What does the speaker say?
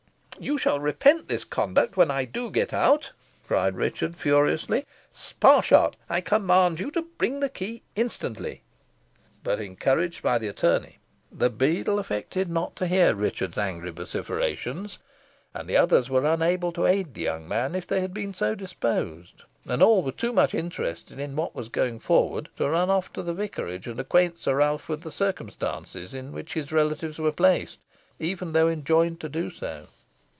"You shall repent this conduct when I do get out," cried Richard, furiously. "Sparshot, I command you to bring the key instantly." But, encouraged by the attorney, the beadle affected not to hear Richard's angry vociferations, and the others were unable to aid the young man, if they had been so disposed, and all were too much interested in what was going forward to run off to the vicarage, and acquaint Sir Ralph with the circumstances in which his relatives were placed, even though enjoined to do so.